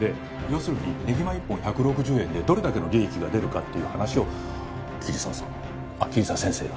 要するにねぎま１本１６０円でどれだけの利益が出るかっていう話を桐沢さんあっ桐沢先生が。